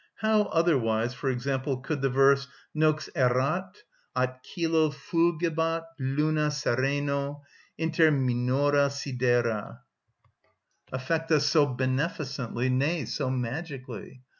How otherwise, for example, could the verse— "Nox erat, at cœlo fulgebat luna sereno, Inter minora sidera," affect us so beneficently, nay, so magically?